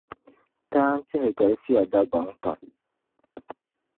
Taan' tihi galisiya Dagbaŋ pam.